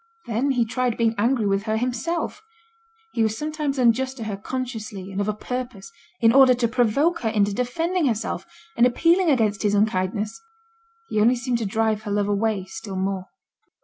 Then he tried being angry with her himself; he was sometimes unjust to her consciously and of a purpose, in order to provoke her into defending herself, and appealing against his unkindness. He only seemed to drive her love away still more.